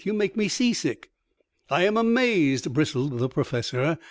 You make me sea sick " "I am amazed," bristled the Professor.